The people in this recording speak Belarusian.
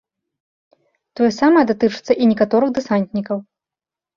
Тое самае датычыцца і некаторых дэсантнікаў.